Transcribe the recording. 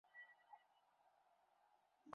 দিনে দিনে এই ফাঁকি বাড়তে থাকবে।